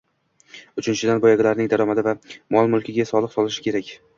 Uchinchidan, boylarning daromadi va mol -mulkiga soliq solinishi kerak